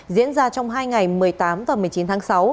diễn ra trong hai ngày một mươi tám và một mươi chín tháng sáu